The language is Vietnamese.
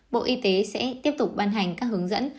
bộ y tế sẽ tiếp tục ban hành các hướng dẫn